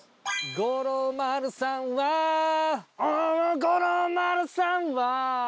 「五郎丸さんは五郎丸さんは」